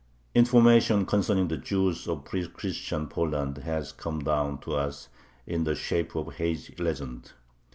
Information concerning the Jews of pre Christian Poland has come down to us in the shape of hazy legends.